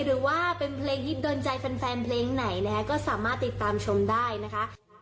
หรือว่าเป็นเพลงฮิตโดนใจแฟนเพลงไหนนะคะก็สามารถติดตามชมได้นะคะ